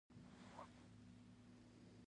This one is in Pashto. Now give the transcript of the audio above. ښه به وي چې دوی د یو بل په ګاونډ کې سره واوسيږي.